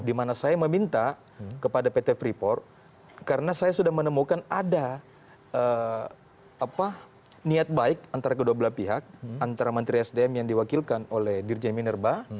dimana saya meminta kepada pt freeport karena saya sudah menemukan ada niat baik antara kedua belah pihak antara menteri sdm yang diwakilkan oleh dirjen minerba